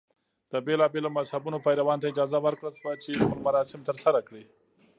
د بېلابېلو مذهبونو پیروانو ته اجازه ورکړل شوه چې خپل مراسم ترسره کړي.